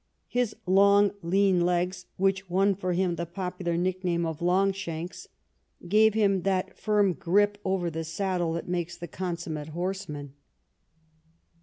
His long lean legs, which won for him the popular nickname of Longshanks, gave him that firm grip over the saddle that makes the consummate horseman.